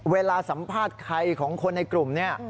เวลาสัมภาษณ์ใครของคนในกลุ่มเนี่ย